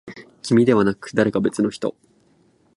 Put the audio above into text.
君ではなく、誰か別の人。